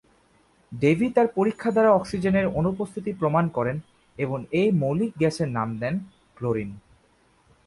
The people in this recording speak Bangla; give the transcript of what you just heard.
ডেভি তার পরীক্ষা দ্বারা অক্সিজেনের অনুপস্থিতি প্রমাণ করেন এবং এই মৌলিক গ্যাসের নাম দেন ক্লোরিন।